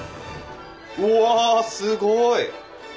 うわすごい！